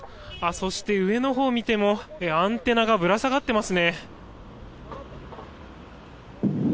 そして上のほうを見てもアンテナがぶら下がってますね。